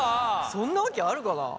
そんなわけあるかなあ？